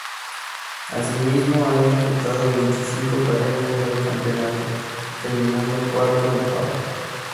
Asimismo, ha disputado veinticinco carreras fuera de campeonatos, terminando cuarto en Pau.